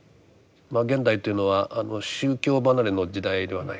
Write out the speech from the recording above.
現代というのは宗教離れの時代ではないか。